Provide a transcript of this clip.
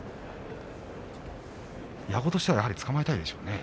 矢後としてはつかまえたいでしょうね。